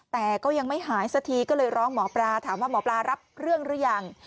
แต่ก็ยังไม่หายสักทีก็เลยร้องหมอปลาถามว่าหมอปลารับเรื่องหรือยัง